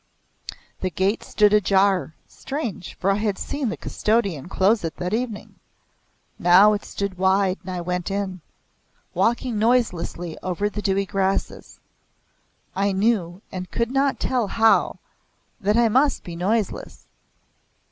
The gate stood ajar strange! for I had seen the custodian close it that evening. Now it stood wide and I went in, walking noiselessly over the dewy grass. I knew and could not tell how, that I must be noiseless.